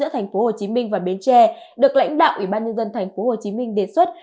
tp hcm và bến tre được lãnh đạo ủy ban nhân dân tp hcm đề xuất